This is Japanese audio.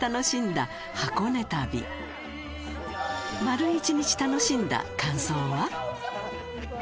丸一日楽しんだ感想は？